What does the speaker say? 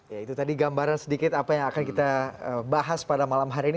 ya itu tadi gambaran sedikit apa yang akan kita bahas pada malam hari ini